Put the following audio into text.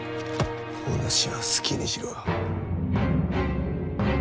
お主は好きにしろ。